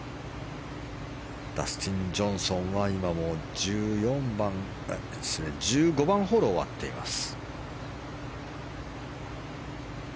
ダスティン・ジョンソンは今１５番ホール終わっています。